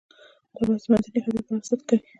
دا بحث د منځني ختیځ په اړه صدق کوي.